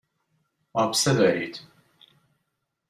آبسه دارید.